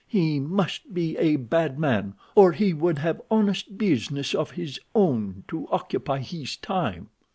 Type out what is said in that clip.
He must be a bad man, or he would have honest business of his own to occupy his time."